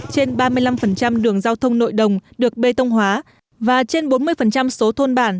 trên ba mươi năm đường giao thông nội đồng được bê tông hóa và trên bốn mươi số thôn bản